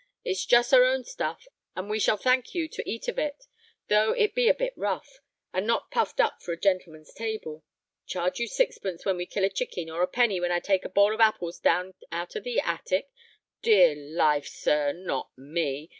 It's just our own stuff, and we shall thank you to eat of it, though it be a bit rough, and not puffed up for a gentleman's table. Charge you sixpence when we kill a chicken, or a penny when I take a bowl of apples down out of the attic? Dear life, sir, not me!